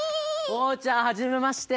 おうちゃんはじめまして！